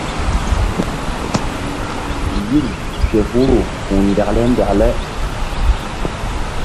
Yim ke huru ku̧h ndekle ndekle.